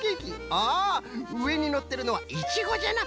ああうえにのってるのはイチゴじゃな。